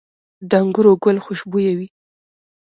د انګورو ګل خوشبويه وي؟